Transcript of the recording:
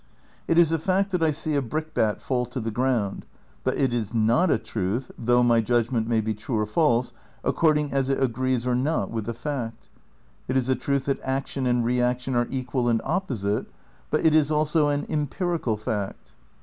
It is a fact that I see a brickbat fall to the ground, but it is not a truth, though my judgment may be true or false according as it agrees or not with the fact. It is a truth that "action and reaction are equal and opposite," but it is also an empirical fact.